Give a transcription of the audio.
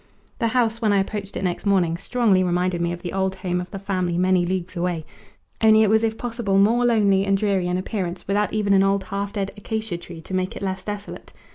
The house, when I approached it next morning, strongly reminded me of the old home of the family many leagues away, only it was if possible more lonely and dreary in appearance, without even an old half dead acacia tree to make it less desolate.